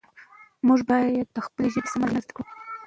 موږ باید د خپلې ژبې سمه لیکنه زده کړو